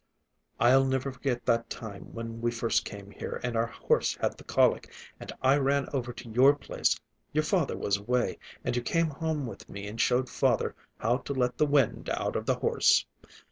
I'll never forget that time, when we first came here, and our horse had the colic, and I ran over to your place—your father was away, and you came home with me and showed father how to let the wind out of the horse.